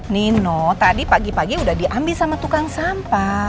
nino tadi pagi pagi udah diambil sama tukang sampah